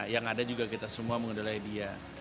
yang ada juga kita semua mengedelai dia